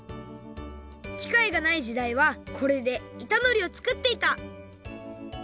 きかいがないじだいはこれでいたのりをつくっていた！